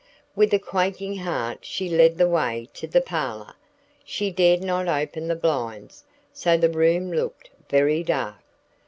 With a quaking heart she led the way to the parlor. She dared not open the blinds, so the room looked very dark.